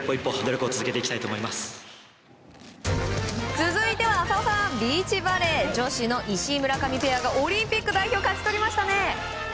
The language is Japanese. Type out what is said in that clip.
続いては浅尾さんビーチバレー女子の石井・村上ペアがオリンピック代表を勝ち取りましたね。